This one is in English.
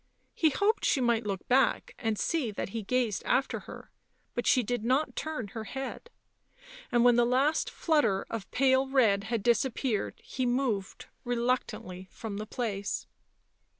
He hoped she might look back and see that he gazed after her, but she did not turn her head, and when the last flutter of pale red had disappeared he moved reluctantly from the place.